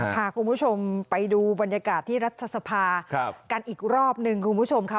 พาคุณผู้ชมไปดูบรรยากาศที่รัฐสภากันอีกรอบหนึ่งคุณผู้ชมค่ะ